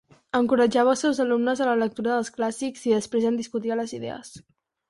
Encoratjava als seus alumnes a la lectura dels clàssics i després en discutia les idees.